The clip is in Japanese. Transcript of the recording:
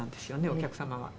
お客様は。